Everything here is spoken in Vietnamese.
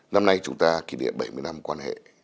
năm nay chúng ta kỷ niệm bảy mươi năm quan hệ